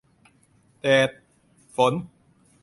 - แดด ฝน